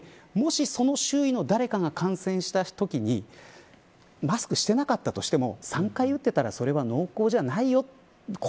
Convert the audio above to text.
という中で、もしその周囲の誰かが感染したときにマスクしてなかったとしても３回打っていたら、それは濃厚じゃないよ。